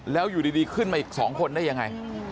แล้วอยู่ดีขึ้นมาอีก๒คนได้ยังไง